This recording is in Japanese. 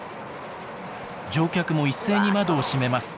乗客も一斉に窓を閉めます。